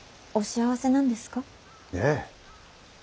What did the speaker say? お幸せなんですか？